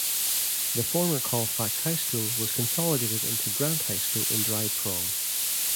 The former Colfax High School was consolidated into Grant High School in Dry Prong.